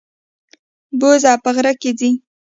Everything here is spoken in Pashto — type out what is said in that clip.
بوزه په غره کې ځي.